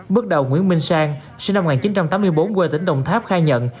bước đầu nguyễn minh sang sinh năm một nghìn chín trăm tám mươi bốn quê tỉnh đồng tháp khai nhận